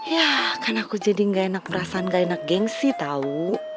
ya karena aku jadi gak enak perasaan gak enak geng sih tau